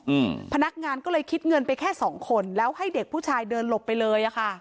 อืมพนักงานก็เลยคิดเงินไปแค่สองคนแล้วให้เด็กผู้ชายเดินหลบไปเลยอ่ะค่ะ